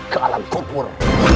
ke alam kupur